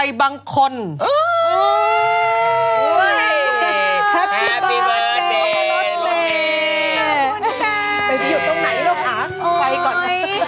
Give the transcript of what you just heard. ไปหยุดตรงไหนละค้า